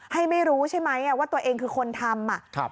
ไม่รู้ใช่ไหมว่าตัวเองคือคนทำ